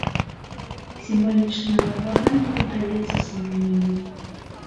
Сімвалічная вага не паддаецца сумненню.